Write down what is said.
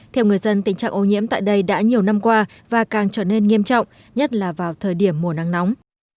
theo người dân tình trạng ô nhiễm tại đây đã nhiều năm qua và càng trở nên nghiêm trọng nhất là vào thời điểm mùa nắng nóng